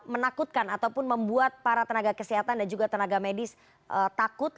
menakutkan ataupun membuat para tenaga kesehatan dan juga tenaga medis takut